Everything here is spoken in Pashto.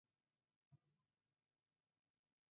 افغانستان د باران د ترویج لپاره پروګرامونه لري.